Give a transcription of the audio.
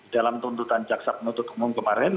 dalam tuntutan jaksa penuntut umum kemarin